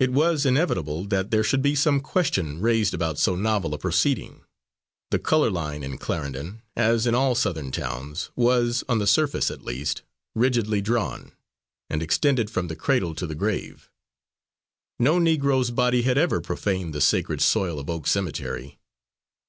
It was inevitable that there should be some question raised about so novel a proceeding. The colour line in Clarendon, as in all Southern towns, was, on the surface at least, rigidly drawn, and extended from the cradle to the grave. No Negro's body had ever profaned the sacred soil of Oak Cemetery.